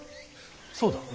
そうだ。